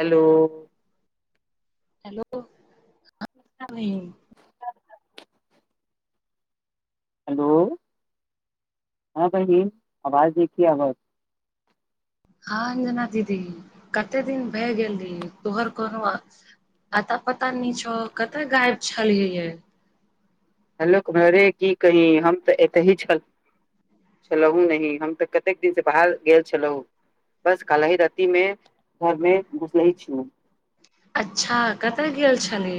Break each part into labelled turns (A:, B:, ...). A: Hello
B: hello
A: hello हाँ बहिन आवाज नइखे आवत।
B: हाँ अंजना दीदी कते दिन भए गेल रहियै तोहर कोनो आता पता न छौ कतय गायब छलियै ये?
A: हेलो घरे की कहीये हम तऽ एते ही छल। छलहुँ नहि हम तऽ कतेक दिनसँ बाहर गेल छलहुँ। बस कालहि रातिमे घरमे घूसहै छलहूँ
B: अच्छा कतय गेल छली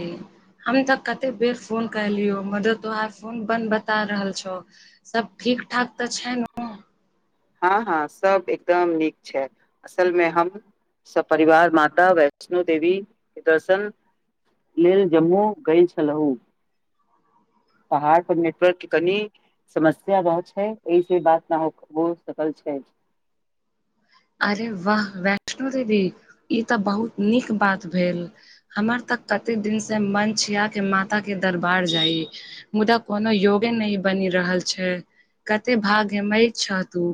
B: हम तऽ कते बेर फोन कलियो मगर तोहार फोन बन्द बता रहल छौ। सब ठीक ठाक तऽ छै ने?
A: हाँ हाँ सब एकदम नीक छै असलमे हम स परिवार माता वैष्णो देवीके दर्शन लेल जम्मू गेय छलहूँ पहाड़ पर नेटवर्कके कनि समस्या रहत छै एहिसे बात ना हो कतह छै
B: अरे वाह वैष्णो देवी ई तऽ बहुत नीक बात भेल। हमर तक कते दिन से मन छिया के माता के दरबार जाइ मुदा कोनो योगे नहि बनि रहल छै। कते भाग हे मै छतू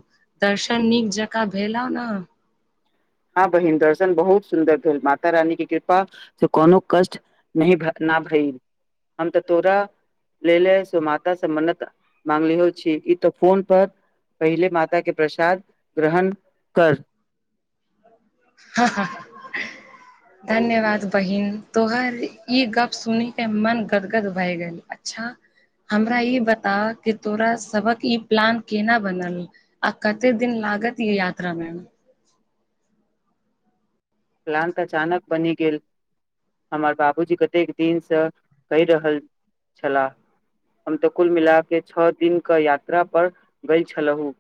B: दर्शन
A: छै
B: नीक जकाँ भेलहु ने
A: हाँ बहिन दर्शन बहुत सुन्दर भेल माता रानीके कृपा से कोनो कष्ट नहि भे-ना भई हम तऽ तोरा लेले स माता से मन्नत मांगले हो छी ई तऽ फोन पर पहिले माता के प्रसाद ग्रहण कर
B: हँ-ह-हँ
A: [inaudible]
B: धन्यवाद बहिन तोहर ई गप सुनके मन गदगद भए गेल अच्छा हमरा ई बताव कि तोरा सबक ई प्लान केना बनल? आ कते दिन लागत ई यात्रा मे?
A: प्लान तऽ अचानक बनी गेल। हमर बाबूजी कतेक दिनस कहि रहल छलाह हम तऽ कुल मिला के छओ दिनक के यात्रा पर गय छलहुँ।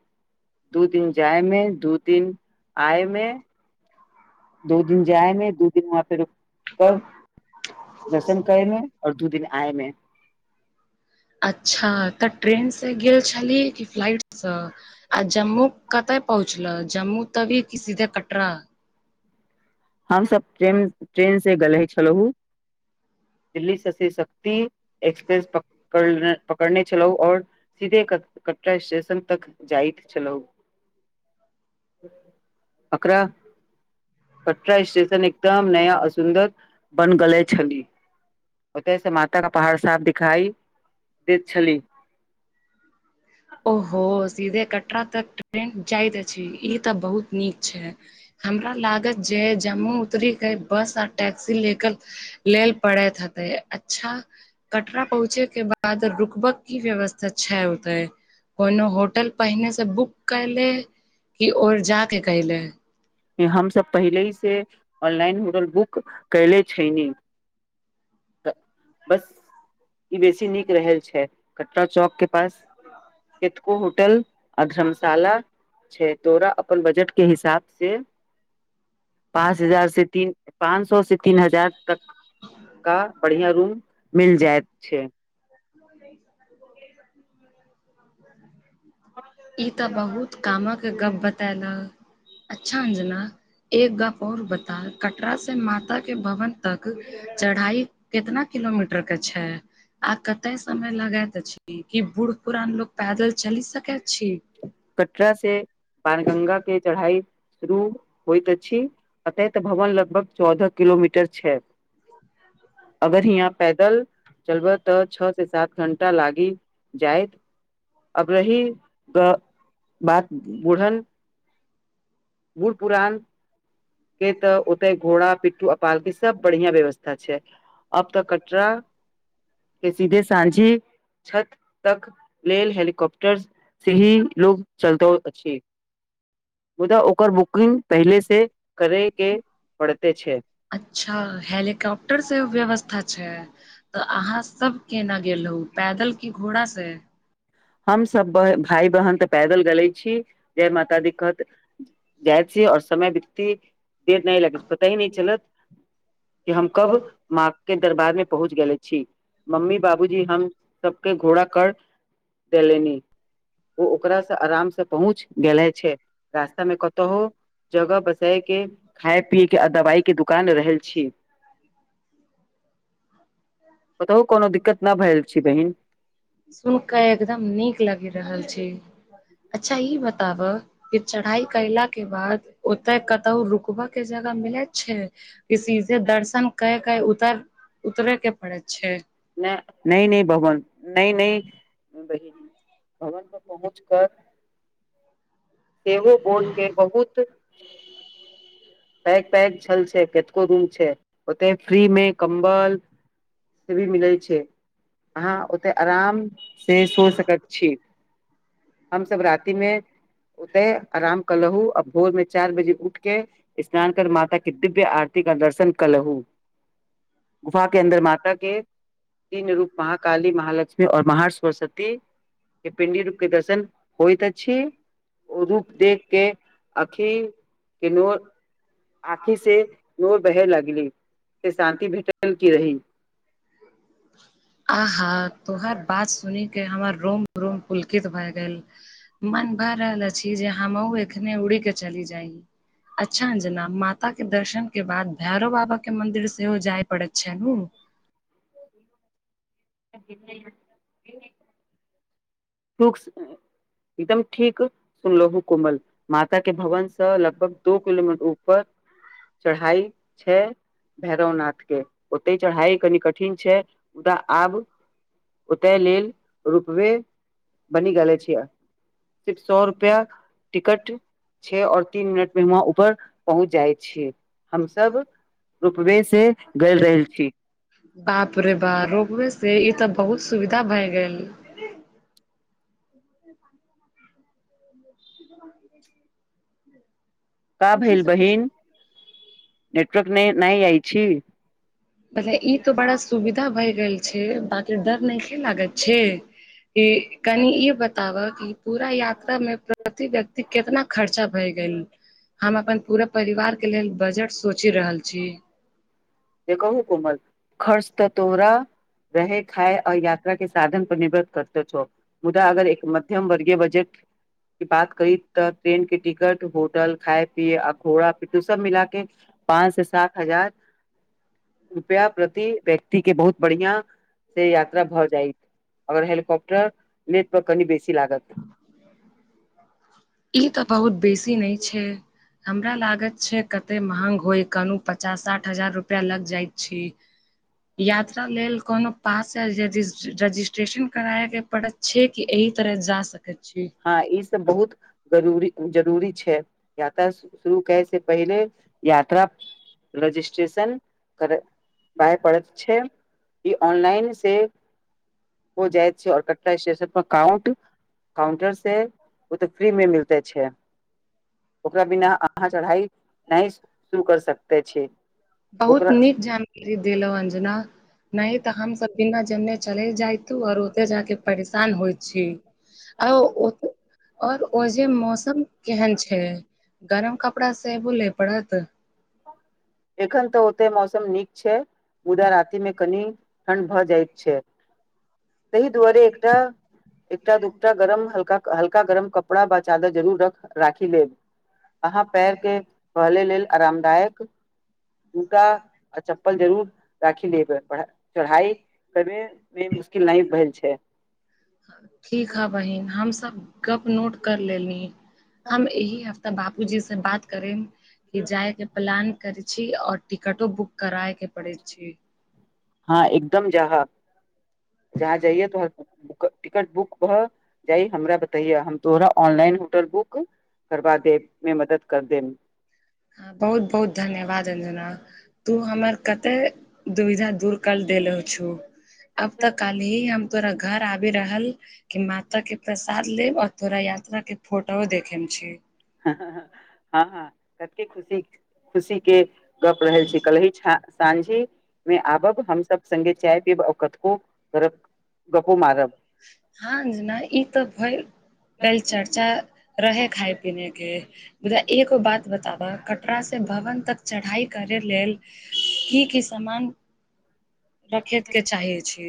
A: दू दिन जायमे दू दिन आय मे दू दिन जायमे दू दिन वहाँ पे रुक कर दर्शन करै मे- आओर दू दिन आए मे
B: अच्छा तऽ ट्रेनसँ गेल छलियै कि फ्लाइटसँ, आ जम्मू कते पहुँचलऽ जम्मूतवी की सीधे कटरा।
A: हमसब ट्रेन ट्रेन से गेल छलहु दिल्लीसँ शिव शक्ति एक्सप्रेस पकड़-पकड़ने छलहूँ आओर सीधे कटरा स्टेशन तक जाइत छलहु एकरा कटरा स्टेशन एकदम नया आ सुन्दर बन गेले छली ओते से माता के पहाड़ साफ दिखाई देैत छली।
B: ओहो सीधे कटरा तक ट्रेन जायत अछि ई तऽ बहुत नीक छै, हमरा लागत जे जम्मू उतरिके बस आ टैक्सी लेेकर लेल पड़ैत हतै अच्छा कटरा पहुँचेके बाद रुकबक की व्यवस्था छै ओतेह कोनो होटल पहिने से बुक केले कि ओ र जा के केले।
A: हमसब पहिले ही से ऑनलाइन होटल बुक केले छैलिहीं [unintelligible] ई बेसी नीक रह छै कटरा चौक के पास कतको होटल आ धर्मशाला छै, तोरा अपन बजट के हिसाब से पाँच हजार से तीन पाँच सौ से तीन हजार तक का बढ़ियाँ रूम मिल जायत छै
B: [unintelligible]
A: [inaudible]
B: ई तऽ बहुत कामक गप बतेलऽ अच्छा अंजना एक गप आओर बता कटरा से माताके भवन तक चढ़ाई कितना किलोमीटर के छै। आ कते समय लगैत अछि की बूढ़ पुरान लोग पैदल चलि सकैत छी।
A: कटरा से बाण गंगाके चढ़ाई शुरू होइत अछि अते तऽ भवन लगभग चौदह किलोमीटर छै अगर हियाँ पैदल चलबै तऽ छओ से सात घंटा लागि जायत अब रही ग- बात बुढ़ल बुढ़ पुरान के तऽ ओते घोड़ा पिट्टू आ पालकी सब बढ़ियाँ व्यवस्था छै अब तऽ कटरा के सीधे साँझी छत तक लेल हेलीकॉप्टर से ही लोग चलतो अछि मुदा ओकर बुकिंग पहिले से से करैके पड़ते छै
B: अच्छा हेलीकॉप्टर से व्यवस्था छै, तऽ अहाँ सब केना गेलहूँ पैदल की घोड़ा से
A: हम सभ ब- भाय बहन तऽ पैदल गेले छी। जय माता दी कहत जाय छी आओर समय बितती के नहि लगत पता ही नहि चलत कि हम कब माँ के दरबारमे पहुँच गेले छी। मम्मी बाबूजी हम सबके घोड़ा कर देलनि ओ ओकरा सँ आराम से पहुँच गेले छै रास्ता में कतहु जगह बसे के खाय पी के दवाई के दुकान रहे छी कतहु कोनो दिक्कत न भेल छी बहिन।
B: सुन के एकदम नीक लागि रहल छी अच्छा ई बताब कि चढ़ाई कयला के बाद ओते कतहु रुकबा के जगह मिलैत छै की सीधे दर्शन कय के उतर उतरे के पड़े छै।
A: नय नहि नहि भगन नहि नहि बहिन भवन पर पहुँच पर कर सेहो बोर्ड के बहुत पैक पैक छल छै केतको रूम छै ओतय फ्री मे कम्बल फ्री भी मिलै छै अहाँ ओते आराम से सो सकत छी हम सब राति मे ओते आराम कलहु अब भोर मे चार बजे उठ के स्नान कर माता के दिव्य आरती क दर्शन कलहु गुफा के अन्दर माता के तीन रूप महाकाली महालक्ष्मी ओर महासरस्वती के पिंडी रूप के दर्शन होइत अछि उधर देख के अखि के नोर आँखि से जोर बहे लगली से शांति भेटल की रही।
B: आहा तोहर बात सुन के हमर रोम रोम पुलकित भए गेल। मन भए रहल अछि जे हमहु एखने उड़ी के चली जाइ अच्छा अंजना माता के दर्शन के बाद भैरो बाबा के मंदिर सेहो जायत पडै़य छै हूँ
A: [unintelligible] [unintelligible] एकदम ठीक सुनलो कोमल माता के भवन त लगभग दो किलोमीटर ऊपर चढ़ाई छै। भैरवनाथ के ओते चढ़ाई कनि कठिन छै मुदा आब ओते लेल रूपवे बनी गेले छिय सिर्फ सौ रुपया टिकट छे और तीन मिनट मे वहाँ ऊपर पहुँच जाइ छी हमसब रूपमे से गेल रहल छी।
B: बाप रे बा रोपबे से ई त बहुत सुविधा भए गेल ह
A: का भेल बहिन। नेटवर्क नय नहि आइ छी।
B: मतलब ई तो बड़ा सुविधा भए गेल छै बाकि डर नहि खै लागत छै ई कनि ई बताब कि पूरा यात्रा मे प्रति व्यक्ति केतना खर्चा भए गेल हम अपन पूरा परिवार के लेल बजट सोचि रहल छी
A: जे कहू कोमल खर्च त तोरा रहे खाय आओर यात्रा के साधन पर निर्भर करते छो मुदा अगर एक मत मध्यमवर्गीय बजट क बात करी त ट्रेन के टिकट होटल खाय पिय आ घोड़ा पी सब मिला के पाँच से सात हजार रुपआ प्रति व्यक्ति के बहुत बढ़िया से यात्रा भऽ जायत आओर हेलीकॉप्टर नेट पर कनि बेसी लागत।
B: ई ते बहुत बेसी न छै हमरा लागत छै कते महंग होइ कनु पचास साठ हजार रुपआ लग जाइत छी यात्रा लेल कोनो पास या रजिस्ट्रेशन कराय के पड़त छै कि एहि तरह जा सके छी
A: हँ ई सब बहुत जरूरी जरूरी छै यात्रा शुरू करे से पहिले यात्रा रजिस्ट्रेशन कर बाय पड़ैत छै। ई ऑनलाइन से हो जाइत छै आओर कटरा स्टेशन पर काउंट काउंटर से ओ तऽ फ्री मे मिलते छै ओकरा बिना अहाँ चढ़ाई नहि शुरू कर सकते छै ओकरा
B: ई देलहु अंजना नहि तऽ हम सब बिना जनने चले जायतू आओर ओते जाक परेशान होइ छी। आ आओर ओ जेे मौसम केहन छै गरम कपड़ा सेहो ले पड़त
A: एखन तऽ ओते मौसम नीक छै मुदा रातिमे कनि ठण्ड भऽ जाइत छै तहि दुआरे एकटा एकटा दूटा गरम हल्का हल- एकटा गरम कपड़ा बच्चा क जरूर रख राखी लेब अहाँ पैर के पहले लेल आराम जूता आ चप्पल जरूर राखि लेब चढ़ाई करने मे मुश्किल नहि भेल छै
B: ठीक ह बहिन हमसब गप नोट कर लेल ली हम एहि हफ्ता बाबूजी से बात करेब कि जाय के प्लान करे छी आओर टिकटो बुक कराय के पड़ै छै
A: हाँ एकदम जहाँ जहाँ जाइयए तो टिकट बुक भ- जाइ हमरा बतैह हम तोहरा ऑनलाइन होटल बुक करबा देबमे मदद कर देब
B: हाँ बहुत बहुत धन्यवाद अंजना तू हमर कते दुविधा दूर करल देलो छूँ अब तऽ काल ही हम तोरा घर आबि रहल के माता के प्रसाद लेब और तोरा यात्रा के फोटो देखेम छै
A: हाँ हाँ कते खुशी खुशीके गप रहल छी कहलि छ साँझि मे आबब हम सब सङ्गे चाय पीब ओ कथो करब गपो मारब
B: हाँ जेना ई तऽ भए गेल चर्चा रहै खाय पीनेके मुदा एगो बात बताबऽ कटरा से भवन तक चढ़ाई करे लेल की की समान रखेत के चाहे छी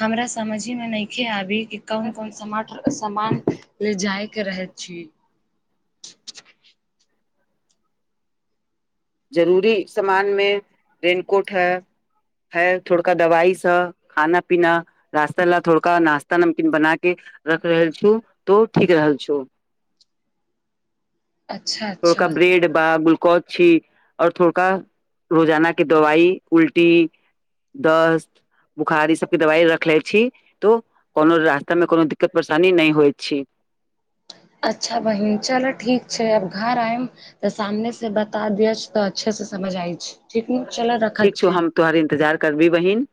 B: हमरा समझीमे नहिखे आबी की कोन कोन समठ समान ले जाय के रहे छी
A: जरूरी सामानमे रेन कोट है है थोड़का दवाइसँ खाना पीना रास्ता लए थोड़का नास्ता नमकीन बना के रख रहल छौ तो ठीक रहल छौ [inaudible]
B: अच्छा
A: थोड़का
B: अच्छा
A: ब्रेड बा ग्लूकोज छी आओर थोड़का रोजाना के दवाई उल्टी दस्त बुखार ई सबके दवाइ रखले छी तो कोनो रास्तामे कोनो दिक्कत परेशानी नहि होइत छी [inaudible]
B: अच्छा बहिन चलो ठीक छै अब घर आएम त सामने से बता दिय त अच्छे से समझ आय छै ठीक नु चल रखैत छीयो
A: तोहर इन्तजार करबी बहिन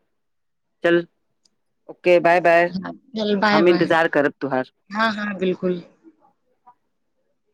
A: चलु त ओके बाय बाय
B: चल बाय
A: हम
B: बाय
A: इंतजार करब तुहार
B: हँ हँ बिल्कुल